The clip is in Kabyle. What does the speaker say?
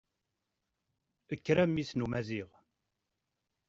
Kker, a mmi-s n umaziɣ!